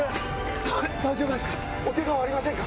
大丈夫ですか？